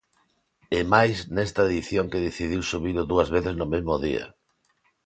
E máis nesta edición que decidiu subilo dúas veces no mesmo día.